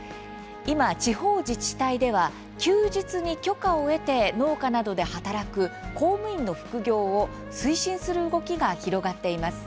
今、地方自治体では休日に許可を得て農家などで働く公務員の副業を推進する動きが広がっています。